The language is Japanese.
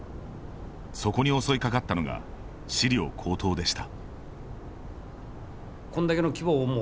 そこに襲いかかったのが飼料高騰でした。